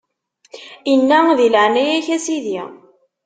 Inna: Di leɛnaya-k, a Sidi!